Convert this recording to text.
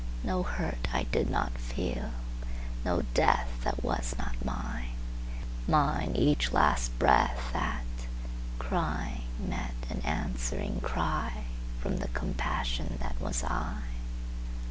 No hurt I did not feel, no deathThat was not mine; mine each last breathThat, crying, met an answering cryFrom the compassion that was I.